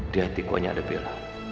di hatiku hanya ada bella